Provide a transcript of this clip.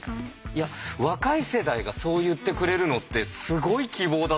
いや若い世代がそう言ってくれるのってすごい希望だと思うのよ。